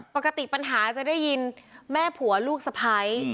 ปกติปัญหาจะได้ยินแม่ผัวลูกสะพ้าย